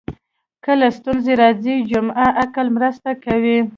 کله ستونزې راځي جمعي عقل مرسته کوي